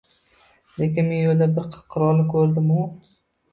— Lekin men yo‘lda bir qirolni ko‘rdim, u...